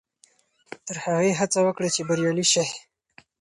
تر هغې هڅه وکړئ چې بریالي شئ.